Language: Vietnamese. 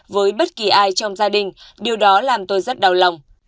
với bất kỳ ai trong gia đình điều đó làm tôi rất đau lòng